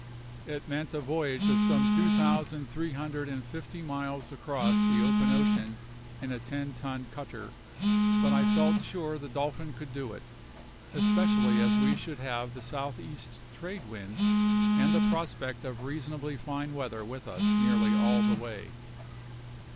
It meant a voyage of some two thousand three hundred and fifty miles across the open ocean in a ten ton cutter, but I felt sure the Dolphin could do it, especially as we should have the south east trade wind and the prospect of reasonably fine weather with us nearly all the way.